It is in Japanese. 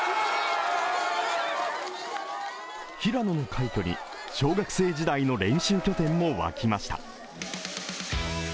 平野の快挙に小学生時代の練習拠点も沸きました。